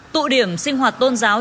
tụ điểm sinh hoạt tôn giáo